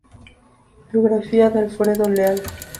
Biografía de Alfredo Leal